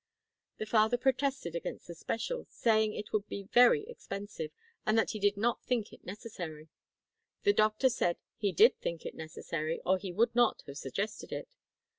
The father protested against the special, saying it would be very expensive and that he did not think it necessary. The doctor said he did think it necessary or he would not have suggested it.